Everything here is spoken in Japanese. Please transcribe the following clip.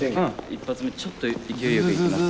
１発目ちょっと勢いよくいきます。